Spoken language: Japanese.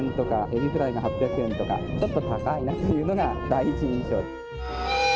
エビフライが８００円とかちょっと高いのが第一印象。